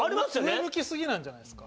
上向き過ぎなんじゃないんですか。